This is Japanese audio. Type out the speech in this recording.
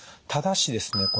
ただしですね